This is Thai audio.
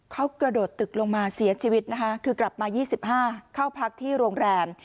เขากระโดดตึกลงมาเสียชีวิตนะคะคือกลับมา๒๕เข้าพักที่โรงแรม